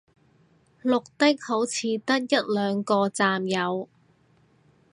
綠的好似得一兩個站有